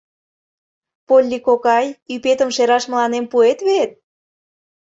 Полли кокай, ӱпетым шераш мыланем пуэт вет?